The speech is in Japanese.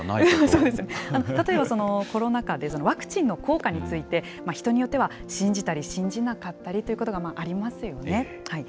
例えばコロナ禍でワクチンの効果について、人によっては信じたり、信じなかったりということがありますよね。